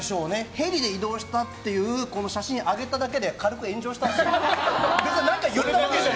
ヘリで移動したっていうこの写真を上げただけで軽く炎上したんですよ。